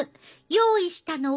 用意したのは卵。